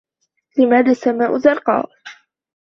لماذا السماء زرقاء ؟